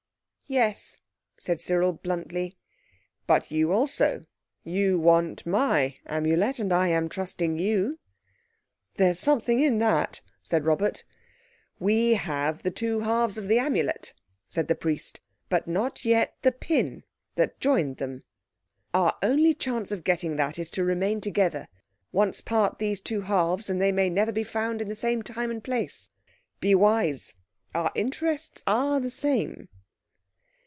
"Yes," said Cyril bluntly. "But you also, you want my Amulet, and I am trusting you." "There's something in that," said Robert. "We have the two halves of the Amulet," said the Priest, "but not yet the pin that joined them. Our only chance of getting that is to remain together. Once part these two halves and they may never be found in the same time and place. Be wise. Our interests are the same."